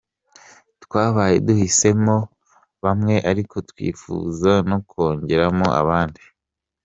Twabaye duhisemo bamwe ariko twifuza no kongeramo abandi.